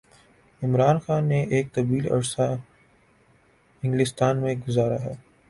عمران خان نے ایک طویل عرصہ انگلستان میں گزارا ہے۔